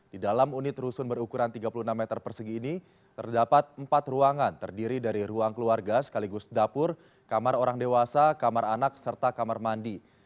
di dalam unit rusun berukuran tiga puluh enam meter persegi ini terdapat empat ruangan terdiri dari ruang keluarga sekaligus dapur kamar orang dewasa kamar anak serta kamar mandi